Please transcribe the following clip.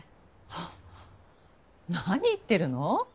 はあ何言ってるの？